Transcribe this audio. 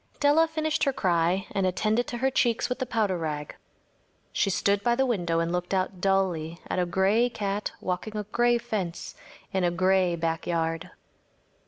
Della finished her cry and attended to her cheeks with the powder rag. She stood by the window and looked out dully at a gray cat walking a gray fence in a gray backyard.